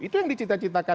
itu yang dicita citakan